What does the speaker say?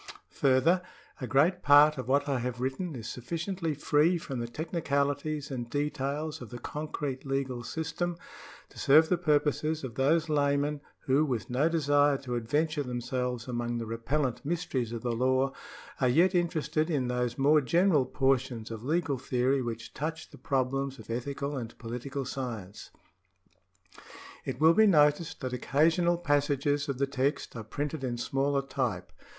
Further, a great part of what I have written is sufficiently free from the technicalities and details of the concrete legal system to serve the purposes of those laymen who, with no desire to adventure themselves among the repellent mysteries of the law, are yet interested in those more general portions of legal theory which touch the prob lems of ethical and political science. It will be noticed that occasional passages of the text are printed in smaller type.